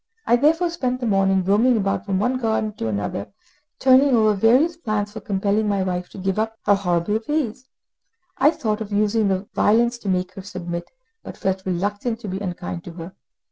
I therefore spent the morning roaming about from one garden to another, turning over various plans for compelling my wife to give up her horrible ways; I thought of using violence to make her submit, but felt reluctant to be unkind to her.